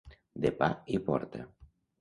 De pa i porta.